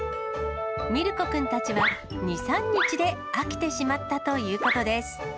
ミルコくんたちは、２、３日で飽きてしまったということです。